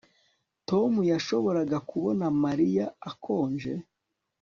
tom yashoboraga kubona mariya akonje